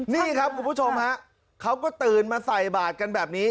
นี่ครับคุณผู้ชมฮะเขาก็ตื่นมาใส่บาทกันแบบนี้